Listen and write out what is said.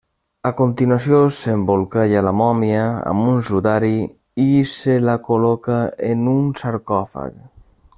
A continuació s'embolcalla la mòmia amb un sudari i se la col·loca en un sarcòfag.